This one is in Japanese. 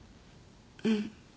うん。